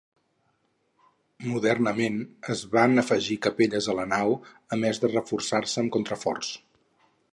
Modernament, es van afegir capelles a la nau, a més de reforçar-se amb contraforts.